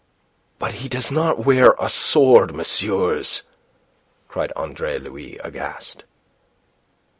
"But he does not wear a sword, messieurs!" cried Andre Louis, aghast.